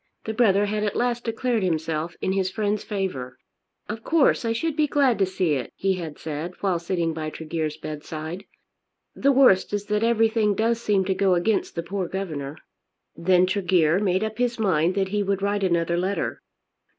The brother had at last declared himself in his friend's favour. "Of course I should be glad to see it," he had said while sitting by Tregear's bedside. "The worst is that everything does seem to go against the poor governor." Then Tregear made up his mind that he would write another letter.